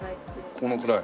このくらい？